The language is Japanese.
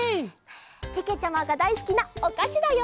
けけちゃまがだいすきなおかしだよ！